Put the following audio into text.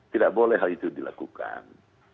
tidak boleh hal itu dilakukan